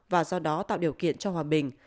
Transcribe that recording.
và do đó tạo điều kiện cho hòa bình